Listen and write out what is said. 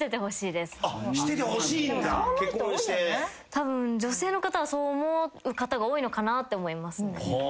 たぶん女性の方はそう思う方が多いのかなって思います。